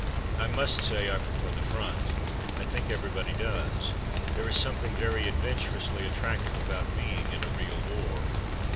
I must say I prefer the front. I think everybody does. There is something very adventur ously attractive about being in a real war.